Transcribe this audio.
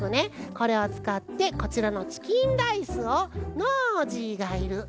これをつかってこちらのチキンライスをノージーがいるここのね